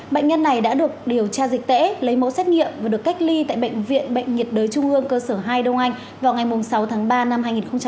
bệnh nhân này đã được điều tra dịch tễ lấy mẫu xét nghiệm và được cách ly tại bệnh viện bệnh nhiệt đới trung ương cơ sở hai đông anh vào ngày sáu tháng ba năm hai nghìn hai mươi